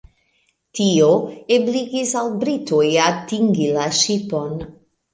Tio ebligis al britoj atingi la ŝipon.